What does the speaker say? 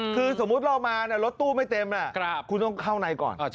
คือสมมุติเรามารถตู้ไม่เต็มคุณต้องเข้าในก่อน